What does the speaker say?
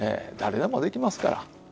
誰でもできますから。